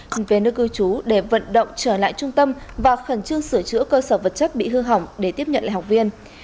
chuyển về nơi cư trú để vận động trở lại trung tâm và khẩn trương sửa chữa cơ sở vật chất bị hư hỏng để tiếp nhận lại học viên